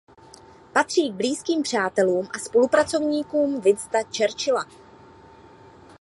Patřil k blízkým přátelům a spolupracovníkům Winstona Churchilla.